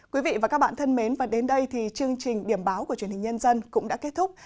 quý vị và các bạn thân mến và đến đây thì chương trình điểm báo của truyền hình nhân dân cũng đã kết thúc